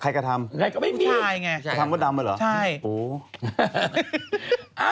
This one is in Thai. ใครกระทำ